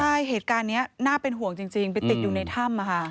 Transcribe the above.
ใช่เหตุการณ์นี้น่าเป็นห่วงจริงไปติดอยู่ในถ้ำ